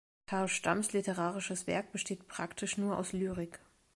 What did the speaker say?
Karl Stamms literarisches Werk besteht praktisch nur aus Lyrik.